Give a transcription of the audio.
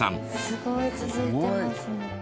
すごい続いてますね。